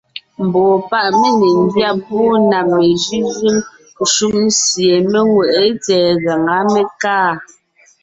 Mbɔɔ páʼ mé ne ńgyá púʼu na mejʉ́jʉ́ŋ shúm sie mé ŋweʼé tsɛ̀ɛ gaŋá, mé kaa.